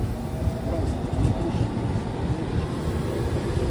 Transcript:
Prou, no prosseguiu: no us escoltaria.